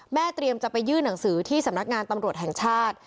เตรียมจะไปยื่นหนังสือที่สำนักงานตำรวจแห่งชาติ